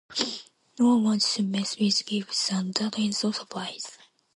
No one wants to mess with Gibbs, and that is no surprise.